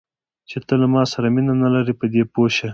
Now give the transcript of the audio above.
چې ته له ما سره مینه نه لرې، په دې پوه شه.